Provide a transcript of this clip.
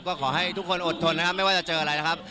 ก็ขอให้ทุกคนอดทนนะครับไม่ว่าจะเจออะไรนะครับ